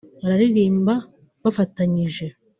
Bararirimba bafatanyije